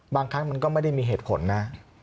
บางครั้งมันก็ไม่ได้มีเหตุผลนะ